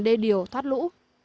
đê điều thoát lũ